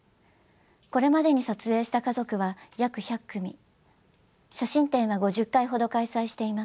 これまでに撮影した家族は約１００組写真展は５０回ほど開催しています。